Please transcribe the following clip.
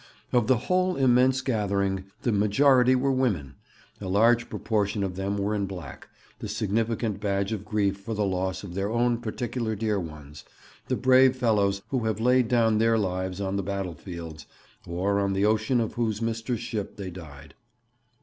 Of the whole immense gathering the majority were women. A large proportion of them were in black, the significant badge of grief for the loss of their own particular dear ones, the brave fellows who have laid down their lives on the battle fields, or on the ocean for whose mistress ship they died.